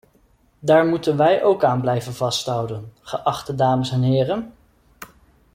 Daar moeten wij ook aan blijven vasthouden, geachte dames en heren!